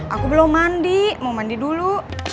aku belum mandi mau mandi dulu